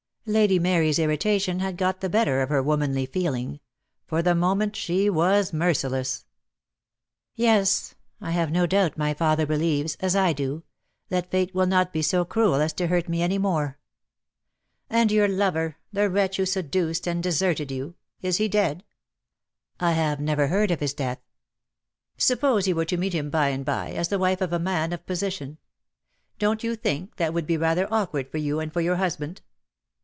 Lady Mary's irritation had got the better of her womanly feeling. For the moment she was merciless. "Yes. I have no doubt my father believes — as I do — that Fate will not be so cruel as to hurt me any more." "And your lover — the wretch who seduced and deserted you? Is he dead?" DEAD LOVE HAS CHAINS. I 79 "I have never heard of his death." "Suppose you were to meet him by and by, as the wife of a man of position. Don't you think that would be rather awkward for you and for your husband?"